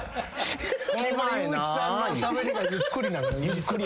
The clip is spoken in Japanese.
木村祐一さんのしゃべりがゆっくりなのいじってる。